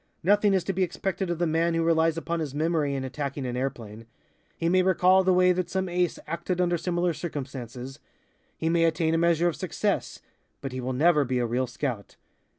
Nothing is to be expected of the man who relies upon his memory in attacking an airplane. He may recall the way that some Ace acted under similar circumstances. He may attain a measure of success, but he will never be a real scout.